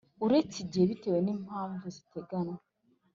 Uretse igihe bitewe n impamvu ziteganywa